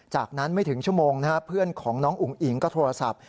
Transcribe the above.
จากนั้นไม่ถึงชั่วโมงเพื่อนของน้องอุ๋งอิ๋งก็โทรศัพท์